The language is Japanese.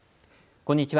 こんにちは。